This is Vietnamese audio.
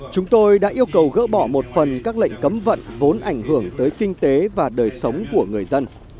chúng tôi đã yêu cầu gỡ bỏ một phần các lệnh cấm vận vốn ảnh hưởng tới kinh tế và đời sống của người dân